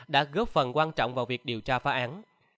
đã góp phần quan trọng vào việc điều tra phá án